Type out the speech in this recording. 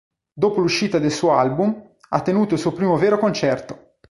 Dopo l'uscita del suo album, ha tenuto il suo primo vero concerto.